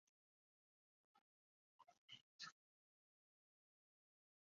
硫氰酸亚铜可以用作防污涂料。